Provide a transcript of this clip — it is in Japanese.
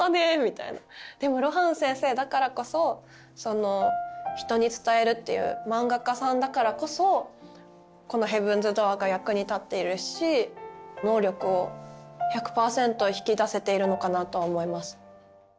でも露伴先生だからこそその人に伝えるっていう漫画家さんだからこそこの「ヘブンズ・ドアー」が役に立っているし能力を１００％引き出せているのかなとは思います。